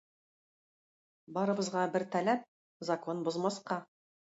Барыбызга бер таләп - закон бозмаска.